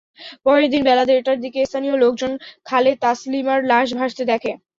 পরের দিন বেলা দেড়টার দিকে স্থানীয় লোকজন খালে তাসলিমার লাশ ভাসতে দেখে।